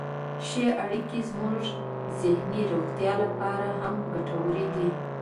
ښې اړیکې زموږ ذهني روغتیا لپاره هم ګټورې دي.